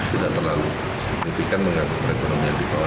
tidak terlalu signifikan menganggap ekonominya di bawah